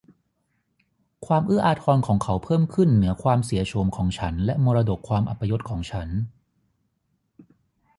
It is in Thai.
ความเอื้ออาทรของเขาเพิ่มขึ้นเหนือความเสียโฉมของฉันและมรดกความอัปยศของฉัน